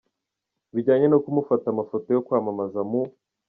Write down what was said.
Bijyanye no kumufata amafoto yo kwamamaza mu.